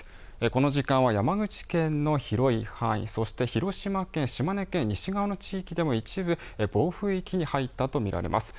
この時間は山口県の広い範囲、そして広島県、島根県西側の地域でも一部暴風域に入ったと見られます。